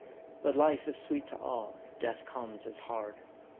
But life is sweet to all, death comes as hard.